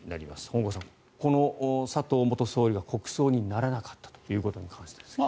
本郷さん、この佐藤元総理が国葬にならなかったということに関してですが。